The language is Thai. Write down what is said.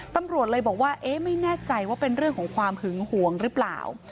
ตำรวจเลยบอกว่าเอ๊ะไม่แน่ใจว่าเป็นเรื่องของความหึงหวงหรือเปล่า